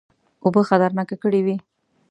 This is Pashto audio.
اوبه خطرناکه کړي وې.